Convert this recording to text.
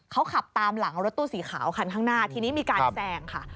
เขาขับตามหลังรถตู้สีขาวคันข้างหน้าทีนี้มีการแซงค่ะ